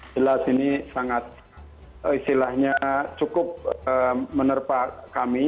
jelas ini sangat istilahnya cukup menerpa kami